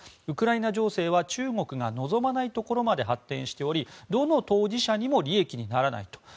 ウクライナ情勢は中国が望まないところまで発展しておりどの当事者にも利益にならないと。